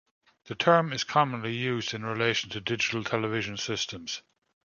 The term is commonly used in relation to digital television systems.